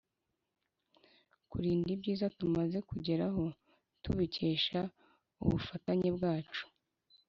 kurinda ibyiza tumaze kugeraho tubikesha ubufatanye bwacu.